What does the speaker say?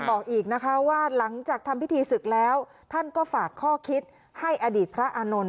บอกอีกนะคะว่าหลังจากทำพิธีศึกแล้วท่านก็ฝากข้อคิดให้อดีตพระอานนท์